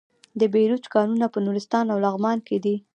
د بیروج کانونه په نورستان او لغمان کې دي.